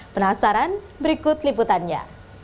penasaran berikut liputannya